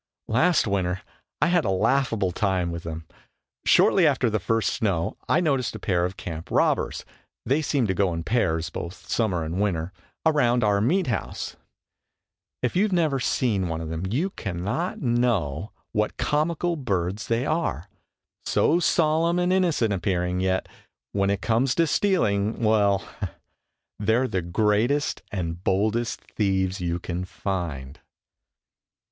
Last winter I had a laughable time with them. Shortly after the first snow I noticed a pair of camp robbers they seem to go in pairs both summer and winter around our meat house. If you have never seen them you cannot know what comical birds they are, so solemn and innocent appearing, yet when it comes to stealing well, they are the greatest and boldest thieves you can find.